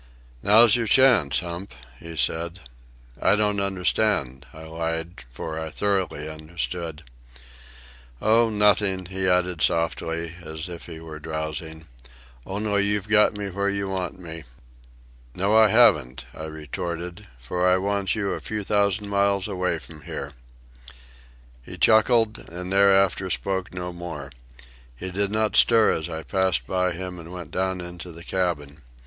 "Now's your chance, Hump," he said. "I don't understand," I lied, for I thoroughly understood. "Oh, nothing," he added softly, as if he were drowsing; "only you've got me where you want me." "No, I haven't," I retorted; "for I want you a few thousand miles away from here." He chuckled, and thereafter spoke no more. He did not stir as I passed by him and went down into the cabin.